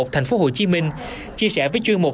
thành phố hồ chí minh chia sẻ với chuyên mục